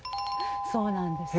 そうなんです。